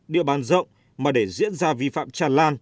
địa bàn rộng mà để diễn ra vi phạm tràn lan